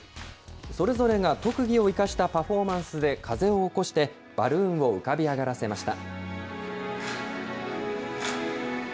それぞれが特技を生かしたパフォーマンスで風を起こして、バルーンを浮かび上がらせました。